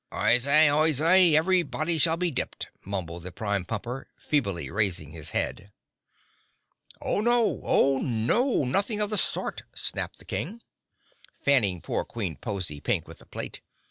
"Oyez! Oyez Everybody shall be dipped!" mumbled the Prime Pumper, feebly raising his head. "Oh, no! Oh, no! Nothing of the sort!" snapped the King, fanning poor Queen Pozy Pink with a plate.